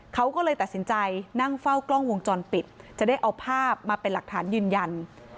เขาก็เลยตัดสินใจนั่งเฝ้ากล้องวงจรปิดจะได้เอาภาพมาเป็นหลักฐานยืนยัน